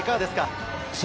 いかがですか？